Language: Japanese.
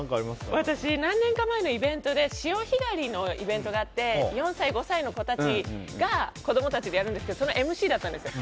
私、何年か前に潮干狩りのイベントがあって４歳、５歳の子供たちでやるんですけどそのＭＣだったんですよ。